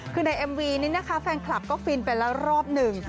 คือในเอ็มวีนี้นะคะแฟนคลับก็ฟินไปแล้วรอบหนึ่ง